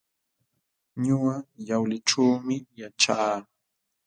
Ñuqa Yawlićhuumi yaćhaa.